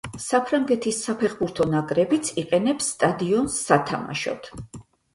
საფრანგეთის საფეხბურთო ნაკრებიც იყენებს სტადიონს სათამაშოდ.